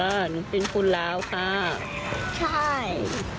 หนูเป็นคนลาวค่ะใช่